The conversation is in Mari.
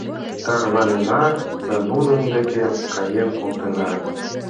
Тарванена да нунын деке каен колтена.